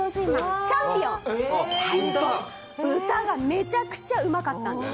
歌がめちゃくちゃうまかったんです。